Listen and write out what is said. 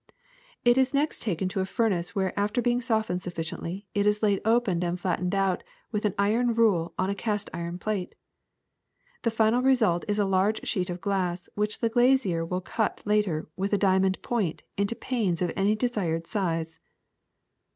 It is next taken to a furnace where, after being softened sufficiently, it is laid open and flattened out with an iron rule on a cast iron plate. The final result is a large sheet of glass which the glazier will cut later with a diamond point into panes of any desired size.''